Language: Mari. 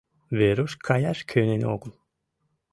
Веруш каяш кӧнен огыл.